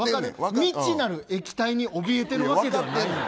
未知なる液体におびえてるわけではない。